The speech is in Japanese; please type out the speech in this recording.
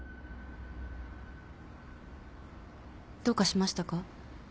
どうかしましたか？